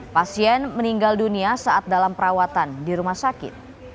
pasien meninggal dunia saat dalam perawatan di rumah sakit